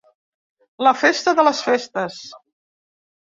La festa de les festes.